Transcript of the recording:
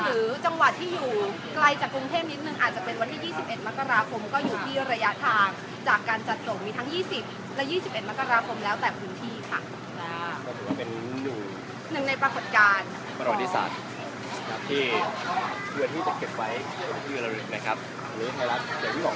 หรือจังหวัดที่อยู่ไกลจากกรุงเทพนิดนึงอาจจะเป็นวันที่๒๑มกราคมก็อยู่ที่ระยะทางจากการจัดส่งมีทั้ง๒๐และ๒๑มกราคมแล้วแต่พื้นที่ค่ะ